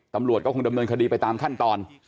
ตำรวจก็คงดำเนินคดีไปตามขั้นตอน